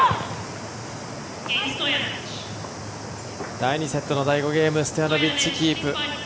第２セットの第５ゲームストヤノビッチ、キープ。